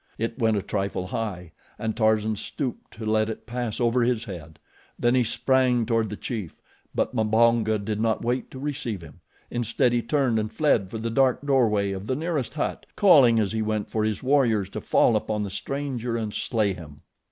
It went a trifle high and Tarzan stooped to let it pass over his head; then he sprang toward the chief. But Mbonga did not wait to receive him. Instead, he turned and fled for the dark doorway of the nearest hut, calling as he went for his warriors to fall upon the stranger and slay him.